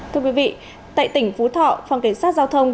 tại tỉnh phú thọ phòng kiểm soát giao thông